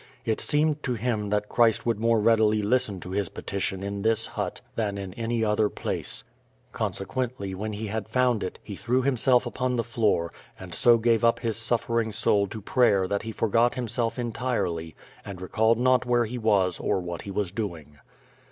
It seemed to him that Christ would moV^eadily listen to his petition in this hut than in any other placej^consequently, when he had found it, he threw him self upon the floor, and so gave up his suffering soul to prayer that he forgot himself entirely and recalled not where he was or what he was doing.